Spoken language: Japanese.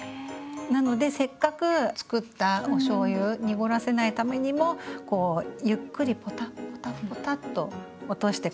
なのでせっかくつくったおしょうゆ濁らせないためにもゆっくりポタッポタッポタッと落としてこしてあげるといいと思います。